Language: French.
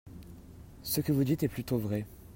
Ce que vous dites est plutôt vrai.